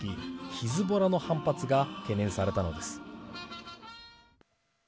ヒズボラの反発が懸念されたのです。